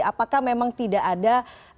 apakah memang tidak ada